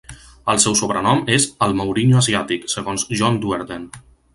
El seu sobrenom és "el Mourinho asiàtic" segons John Duerden.